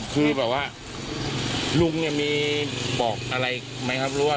คือบอกว่าลุงมีบอกอะไรมั้ยครับ